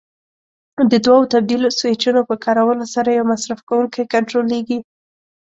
د دوو تبدیل سویچونو په کارولو سره یو مصرف کوونکی کنټرولېږي.